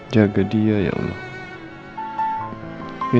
jangan tentu aku